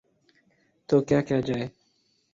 تو کیا کیا جائے؟